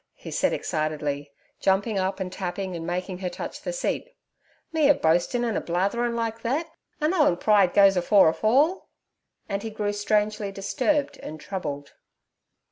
he said excitedly, jumping up and tapping and making her touch the seat. 'Me a boastin' an' a blatherin' like thet, a knowin' pride goes afore a fall;' and he grew strangely disturbed and troubled.